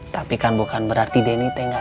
tapi kan bukan berarti denny tengah main